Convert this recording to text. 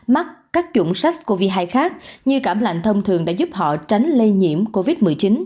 mắc các chủng sars cov hai khác như cảm lạnh thông thường đã giúp họ tránh lây nhiễm covid một mươi chín